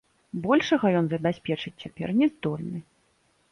Большага ён забяспечыць цяпер не здольны.